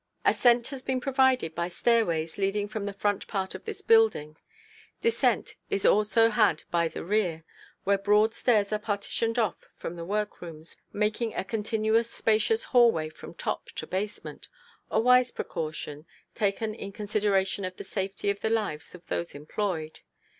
Ascent has been provided by stairways leading from the front part of this building; descent is also had by the rear, where broad stairs are partitioned off from the work rooms, making a continuous spacious hallway from top to basement a wise precaution, taken in consideration of the safety of the lives of those employed.